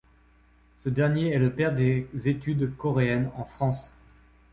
Ce dernier est le père des études coréennes en France.